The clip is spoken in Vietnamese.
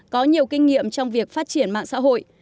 có nhiều kinh nghiệm trong việc phát triển mạng xã hội